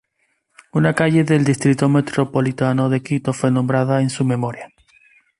Una calle del Distrito Metropolitano de Quito fue nombrada en su memoria.